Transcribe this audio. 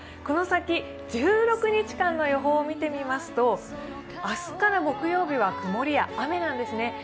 この先、１６日間のよほうを見てみますと、明日から木曜日は曇りや雨なんですね。